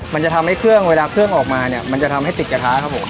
มันจะทำให้เครื่องเวลาเครื่องออกมาเนี่ยมันจะทำให้ติดกระทะครับผม